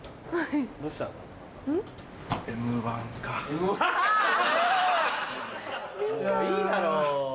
もういいだろう。